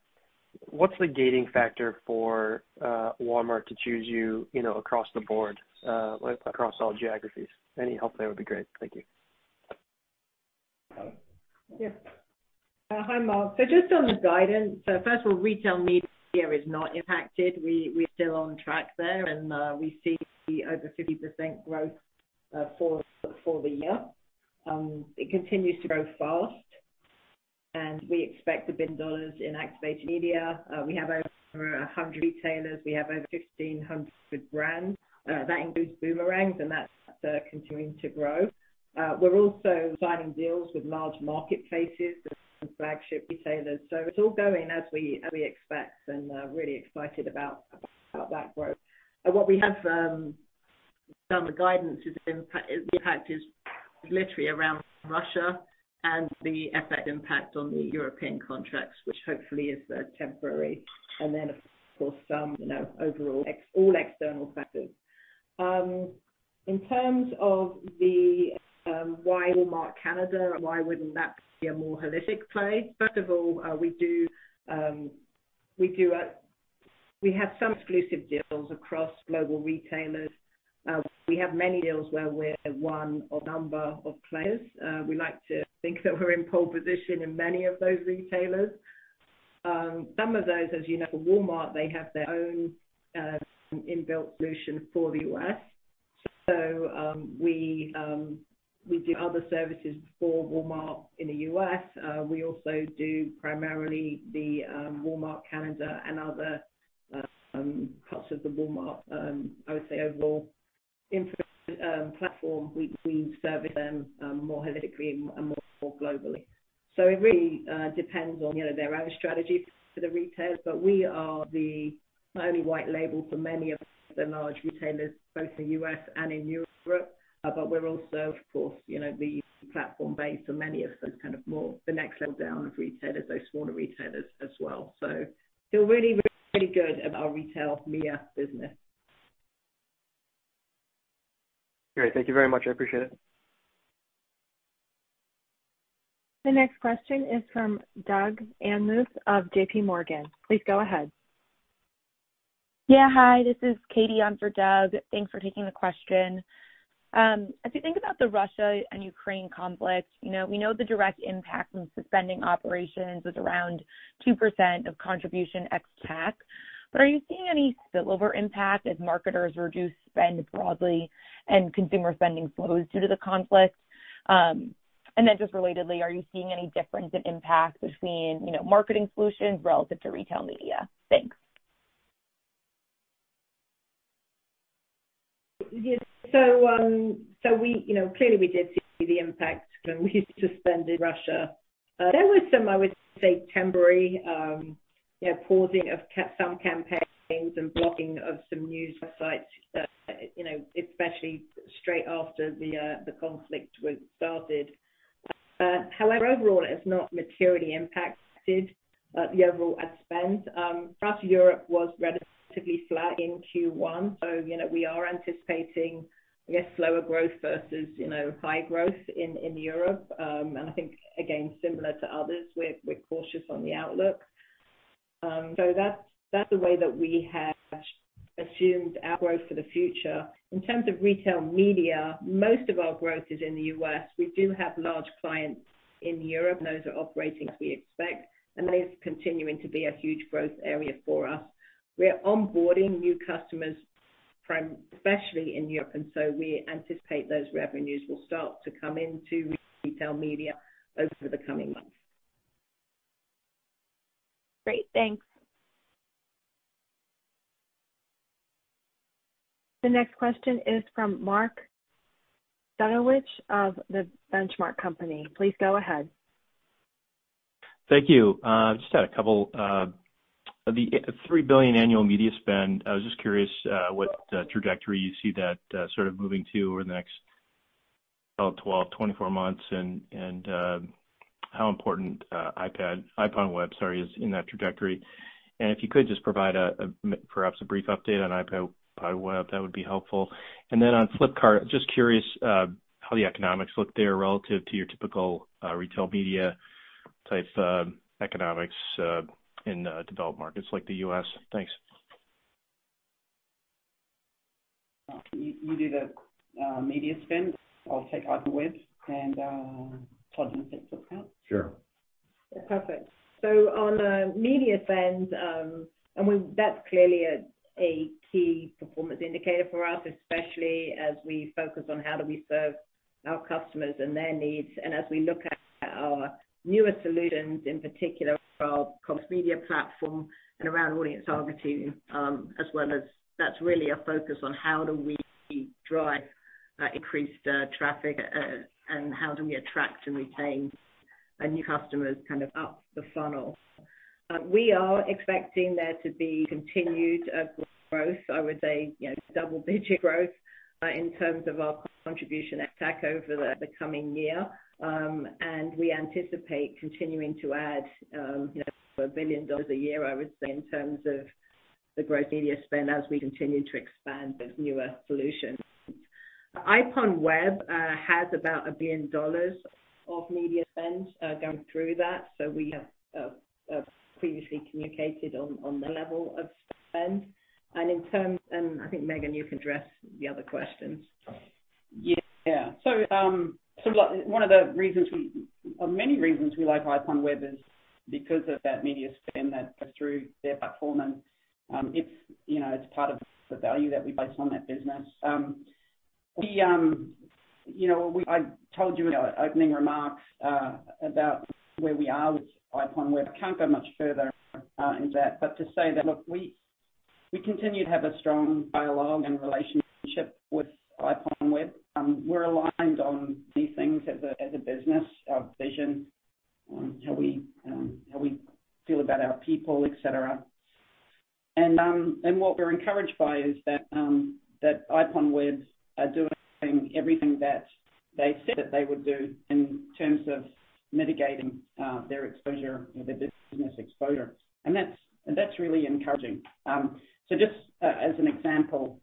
what's the gating factor for Walmart to choose you know, across the board, like across all geographies? Any help there would be great. Thank you. Yeah. Hi, Mark. Just on the guidance, first of all, retail media is not impacted. We're still on track there, and we see over 50% growth for the year. It continues to grow fast, and we expect to bring dollars in activated media. We have over 100 retailers. We have over 1,500 brands. That includes Boomerangs, and that's continuing to grow. We're also signing deals with large marketplaces and flagship retailers. It's all going as we expect and really excited about that growth. What we have done, the guidance is the impact is literally around Russia and the impact on the European contracts, which hopefully is temporary, and then of course, some you know overall external factors. In terms of the why Walmart Canada, why wouldn't that be a more holistic play? First of all, we have some exclusive deals across global retailers. We have many deals where we're one of a number of players. We like to think that we're in pole position in many of those retailers. Some of those, as you know, for Walmart, they have their own inbuilt solution for the U.S. We do other services for Walmart in the U.S. We also do primarily the Walmart Canada and other parts of the Walmart, I would say overall influence platform. We service them more holistically and more globally. It really depends on, you know, their own strategies for the retailers. We are the only white label for many of the large retailers both in the U.S. and in Europe. But we're also of course, you know, the platform base for many of those kind of more the next level down of retailers, those smaller retailers as well. Feel really, really good about our retail media business. Great. Thank you very much. I appreciate it. The next question is from Doug Anmuth of J.P. Morgan. Please go ahead. Yeah. Hi, this is Katie on for Doug Anmuth. Thanks for taking the question. As you think about the Russia and Ukraine conflict, you know, we know the direct impact from suspending operations was around 2% of contribution ex-TAC. But are you seeing any spillover impact as marketers reduce spend broadly and consumer spending slows due to the conflict? Just relatedly, are you seeing any difference in impact between, you know, Marketing Solutions relative to Retail Media? Thanks. Yes. We, you know, clearly we did see the impact when we suspended Russia. There was some, I would say, temporary, you know, pausing of some campaigns and blocking of some news sites, you know, especially straight after the conflict was started. However, overall it has not materially impacted the overall ad spend. Across Europe was relatively flat in Q1. We are anticipating, I guess, slower growth versus, you know, high growth in Europe. I think again, similar to others, we're cautious on the outlook. That's the way that we have assumed our growth for the future. In terms of Retail Media, most of our growth is in the U.S. We do have large clients in Europe, and those are operating as we expect, and that is continuing to be a huge growth area for us. We are onboarding new customers especially in Europe, and so we anticipate those revenues will start to come into retail media over the coming months. Great. Thanks. The next question is from Mark Mahaney of The Benchmark Company. Please go ahead. Thank you. Just had a couple. Of the 3 billion annual media spend, I was just curious what trajectory you see that sort of moving to over the next 12-24 months and how important IPONWEB is in that trajectory. If you could just provide perhaps a brief update on IPONWEB, that would be helpful. On Flipkart, just curious how the economics look there relative to your typical retail media type economics in developed markets like the US. Thanks. You did media spend. I'll take IPONWEB and Todd can take Flipkart. Sure. Perfect. On media spend, I mean, that's clearly a key performance indicator for us, especially as we focus on how do we serve our customers and their needs. As we look at our newer solutions, in particular our commerce media platform and around audience targeting, as well as that's really a focus on how do we drive increased traffic and how do we attract and retain our new customers kind of up the funnel. We are expecting there to be continued growth, I would say, you know, double-digit growth in terms of our contribution ex-TAC over the coming year. We anticipate continuing to add, you know, $1 billion a year, I would say, in terms of the growth media spend as we continue to expand those newer solutions. IPONWEB has about $1 billion of media spend going through that. We have previously communicated on the level of spend. I think, Megan, you can address the other questions. One of the reasons we, or many reasons we like IPONWEB is because of that media spend that goes through their platform and, it's, you know, it's part of the value that we place on that business. You know, I told you in our opening remarks about where we are with IPONWEB. I can't go much further into that. To say that, look, we continue to have a strong dialogue and relationship with IPONWEB. We're aligned on key things as a business, our vision, on how we feel about our people, et cetera. What we're encouraged by is that IPONWEB are doing everything that they said that they would do in terms of mitigating their exposure, you know, their business exposure. That's really encouraging. Just as an example,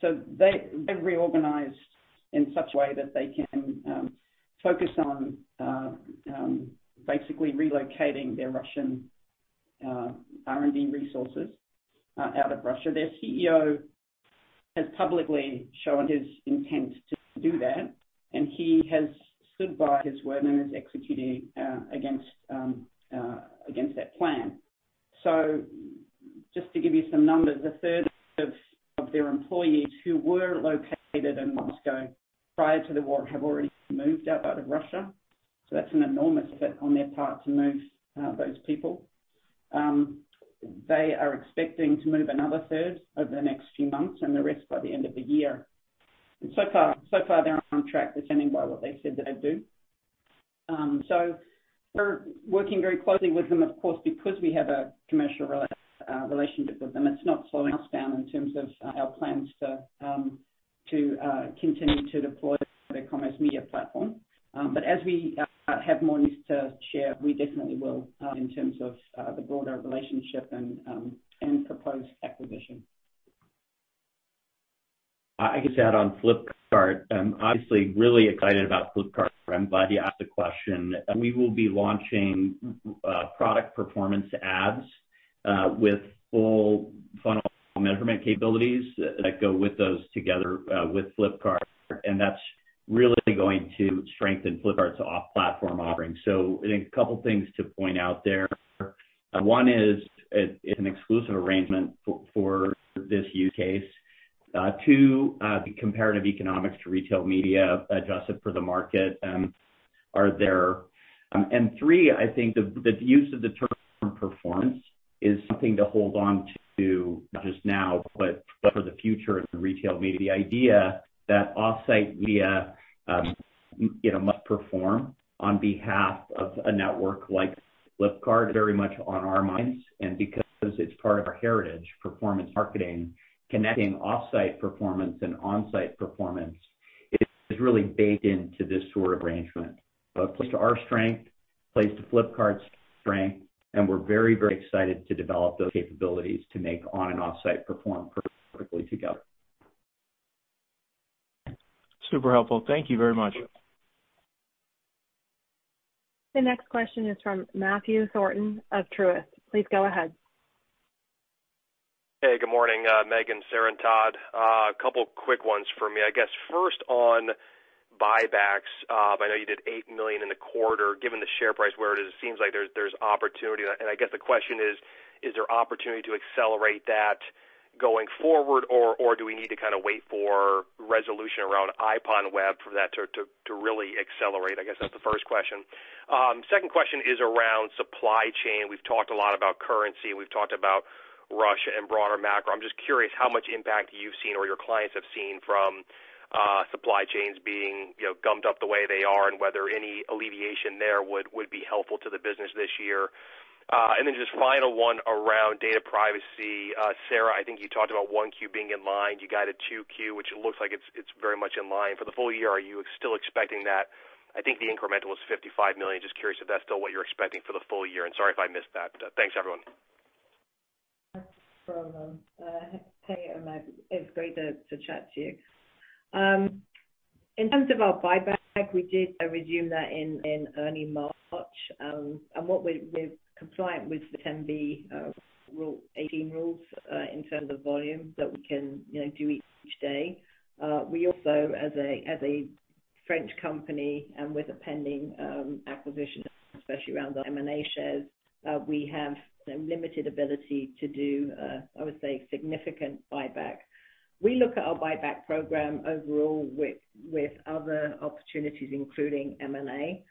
they've reorganized in such a way that they can focus on basically relocating their Russian R&D resources out of Russia. Their CEO has publicly shown his intent to do that, and he has stood by his word and is executing against that plan. Just to give you some numbers, a third of their employees who were located in Moscow prior to the war have already moved out of Russia. That's an enormous effect on their part to move those people. They are expecting to move another third over the next few months and the rest by the end of the year. So far they're on track, according to what they said they'd do. We're working very closely with them, of course, because we have a commercial relationship with them. It's not slowing us down in terms of our plans to continue to deploy their Commerce Media Platform. As we have more news to share, we definitely will in terms of the broader relationship and proposed acquisition. I guess I add on Flipkart, obviously really excited about Flipkart. I'm glad you asked the question. We will be launching Product Performance Ads with full funnel measurement capabilities that go with those together with Flipkart. Really going to strengthen Flipkart's off-platform offering. I think a couple of things to point out there. One is, it's an exclusive arrangement for this use case. Two, the comparative economics to Retail Media adjusted for the market are there. Three, I think the use of the term performance is something to hold on to not just now, but for the future of the Retail Media. The idea that off-site media, you know, must perform on behalf of a network like Flipkart, very much on our minds. Because it's part of our heritage, performance marketing, connecting off-site performance and on-site performance is really baked into this sort of arrangement. It plays to our strength, plays to Flipkart's strength, and we're very, very excited to develop those capabilities to make on and off-site perform perfectly together. Super helpful. Thank you very much. The next question is from Matthew Thornton of Truist. Please go ahead. Hey, good morning, Megan, Sarah, and Todd. A couple quick ones for me. I guess, first on buybacks, I know you did 8 million in the quarter. Given the share price where it is, it seems like there's opportunity. I guess the question is there opportunity to accelerate that going forward, or do we need to kinda wait for resolution around IPONWEB for that to really accelerate? I guess that's the first question. Second question is around supply chain. We've talked a lot about currency, and we've talked about Russia and broader macro. I'm just curious how much impact you've seen or your clients have seen from supply chains being, you know, gummed up the way they are and whether any alleviation there would be helpful to the business this year. Just final one around data privacy. Sarah, I think you talked about 1Q being in line. You guided 2Q, which it looks like it's very much in line. For the full year, are you still expecting that? I think the incremental is 55 million. Just curious if that's still what you're expecting for the full year, and sorry if I missed that. Thanks, everyone. Not a problem. Hey, Matt. It's great to chat to you. In terms of our buyback, we did resume that in early March. What we're compliant with the Rule 10b-18 rules in terms of volume that we can do each day. We also, as a French company and with a pending acquisition, especially around our M&A shares, we have some limited ability to do, I would say, significant buyback. We look at our buyback program overall with other opportunities, including M&A.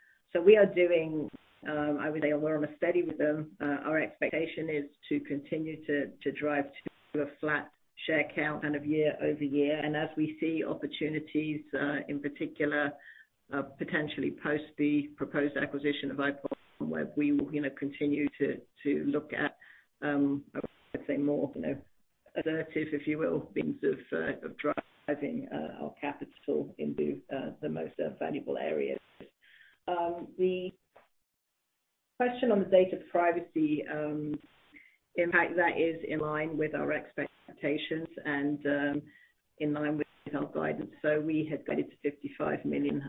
We are doing, I would say we're on a steady rhythm. Our expectation is to continue to drive to a flat share count year-over-year. As we see opportunities in particular potentially post the proposed acquisition of IPONWEB, we will you know continue to look at I'd say more you know assertive if you will means of driving our capital into the most valuable areas. The question on the data privacy impact, that is in line with our expectations and in line with our guidance. We had guided to 55 million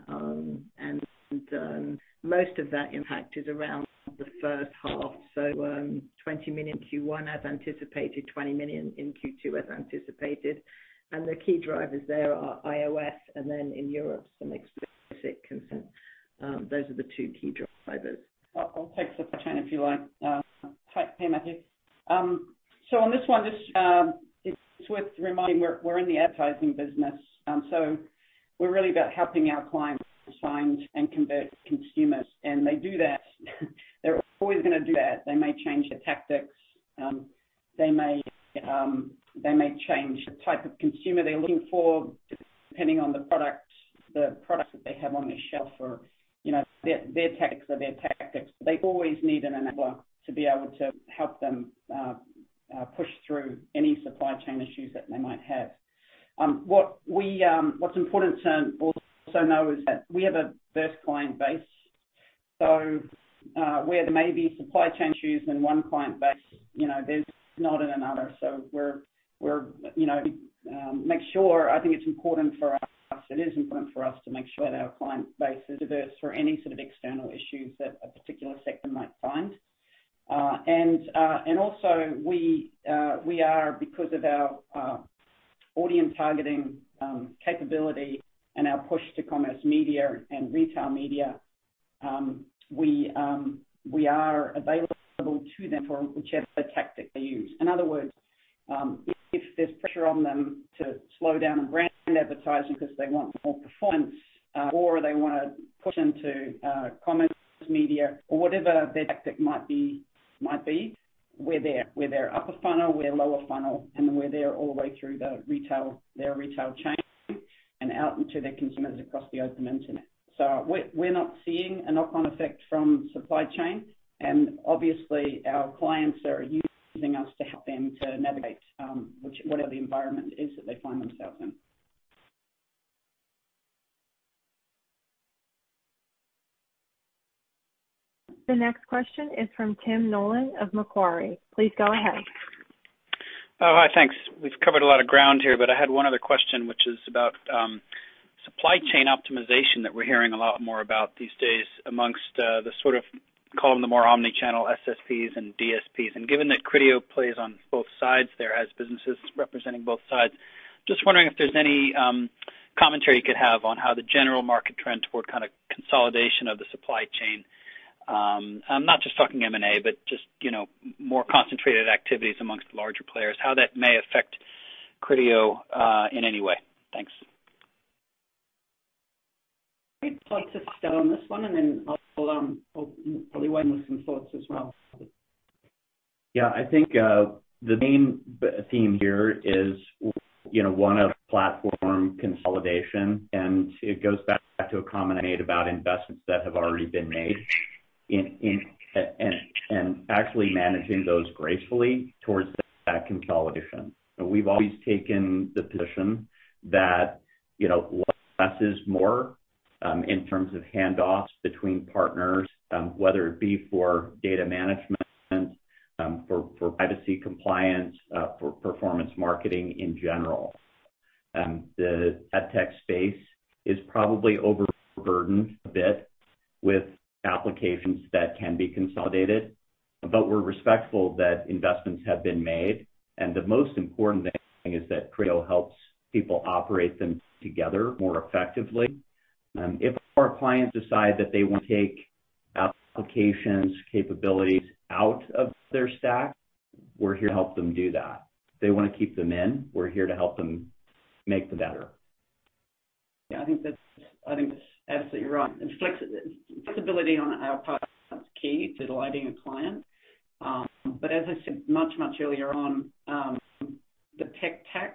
and most of that impact is around the first half. 20 million Q1 as anticipated, 20 million in Q2 as anticipated. The key drivers there are iOS and then in Europe some explicit consent. Those are the two key drivers. I'll take supply chain, if you like. Hi. Hey, Matthew. On this one, just, it's worth reminding we're in the advertising business. We're really about helping our clients find and convert consumers. They do that. They're always gonna do that. They may change their tactics, they may change the type of consumer they're looking for, depending on the product that they have on their shelf or, you know, their tactics. They always need an enabler to be able to help them push through any supply chain issues that they might have. What's important to also know is that we have a diverse client base. Where there may be supply chain issues in one client base, you know, there's not in another. It is important for us to make sure that our client base is diverse for any sort of external issues that a particular sector might find. We are, because of our Audience Targeting capability and our push to Commerce Media and Retail Media, available to them for whichever tactic they use. In other words, if there's pressure on them to slow down on brand advertising 'cause they want more performance, or they wanna push into Commerce Media or whatever their tactic might be, we're there. We're their upper funnel, we're lower funnel, and we're there all the way through the retail, their retail chain and out into their consumers across the open internet. We're not seeing a knock-on effect from supply chain. Obviously, our clients are using us to help them to navigate whatever the environment is that they find themselves in. The next question is from Tim Nollen of Macquarie. Please go ahead. Oh, hi. Thanks. We've covered a lot of ground here, but I had one other question, which is about supply chain optimization that we're hearing a lot more about these days amongst the more omni-channel SSPs and DSPs. Given that Criteo plays on both sides there as businesses representing both sides, just wondering if there's any commentary you could have on how the general market trends toward kinda consolidation of the supply chain. I'm not just talking M&A, but just, you know, more concentrated activities amongst larger players, how that may affect Criteo in any way. Thanks. Great place to start on this one, and then I'll probably Todd Parsons with some thoughts as well. Yeah. I think, the main theme here is, you know, one of platform consolidation, and it goes back to a comment I made about investments that have already been made in and actually managing those gracefully towards that consolidation. We've always taken the position that, you know, less is more, in terms of handoffs between partners, whether it be for data management, for privacy compliance, for performance marketing in general. The ad tech space is probably overburdened a bit with applications that can be consolidated, but we're respectful that investments have been made. The most important thing is that Criteo helps people operate them together more effectively. If our clients decide that they wanna take applications capabilities out of their stack, we're here to help them do that. They wanna keep them in, we're here to help them make them better. Yeah, I think that's absolutely right. Flexibility on our part, that's key to delighting a client. As I said much earlier on, the tech tax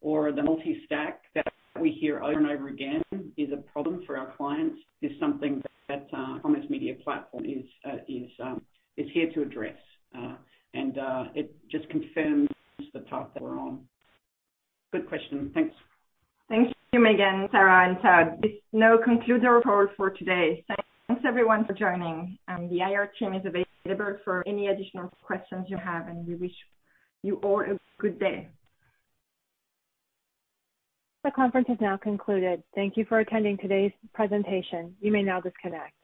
or the multi-stack that we hear over and over again is a problem for our clients. Something that Commerce Media Platform is here to address. It just confirms the path that we're on. Good question. Thanks. Thank you again, Sarah and Todd. This now concludes our call for today. Thanks everyone for joining, and the IR team is available for any additional questions you have, and we wish you all a good day. The conference has now concluded. Thank you for attending today's presentation. You may now disconnect.